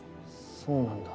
そうなんだ。